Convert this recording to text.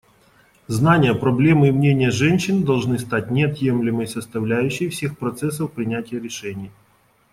Знания, проблемы и мнения женщин должны стать неотъемлемой составляющей всех процессов принятия решений.